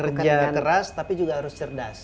kerja keras tapi juga harus cerdas